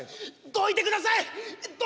どいてください！